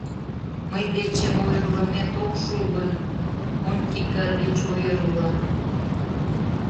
Мый дечем ойырлымет ок шу гын, Онтика деч ойырло...